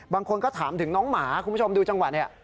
บางคนก็ถามถึงน้องหมาคุณผู้ชมดูจังหวะนี้